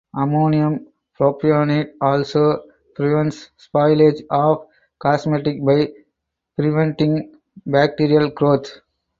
Ammonium propionate also prevents spoilage of cosmetics by preventing bacterial growth.